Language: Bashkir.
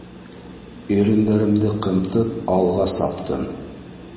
Ирендәремде ҡымтып, алға саптым.